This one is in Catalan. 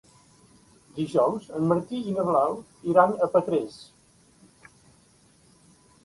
Dijous en Martí i na Blau iran a Petrés.